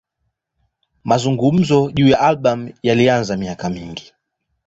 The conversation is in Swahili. Mazungumzo juu ya albamu yalianza miaka mingi.